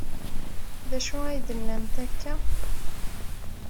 D acu ay d-tennamt akka?